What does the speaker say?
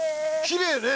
きれいね。